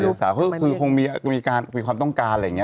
มีอารมณ์ทางเพศคือคงมีความต้องการอะไรอย่างนี้